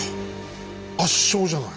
圧勝じゃない。